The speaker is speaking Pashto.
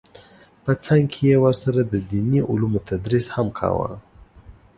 په څنګ کې یې ورسره د دیني علومو تدریس هم کاوه